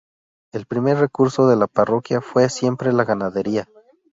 El primer recurso de la parroquia fue siempre la ganadería.